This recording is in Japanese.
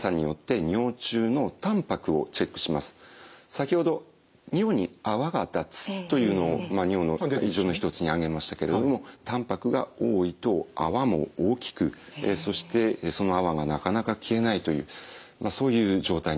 先ほど「尿に泡が立つ」というのを尿の異常の一つに挙げましたけれどもたんぱくが多いと泡も大きくそしてその泡がなかなか消えないというそういう状態になります。